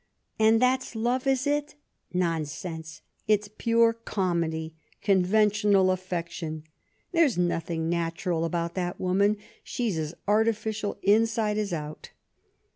" And that's love, is it ? Nonsense ! It's pure comedy — conventional affection. There's nothing natural about that woman ; she's as artificial inside as out."